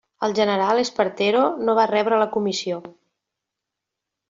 El general Espartero no va rebre la Comissió.